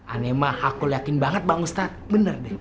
anemah hakul yakin banget bang ustaz benar deh